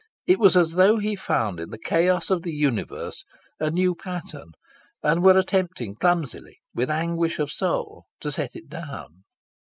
It was as though he found in the chaos of the universe a new pattern, and were attempting clumsily, with anguish of soul, to set it down.